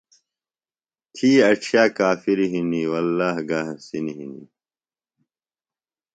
تھی اڇِھیہ کافر ہِنیۡ وللّٰہ گہ حسِین ہِنیۡ۔